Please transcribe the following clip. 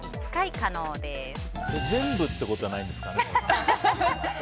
全部ってことはないんですか？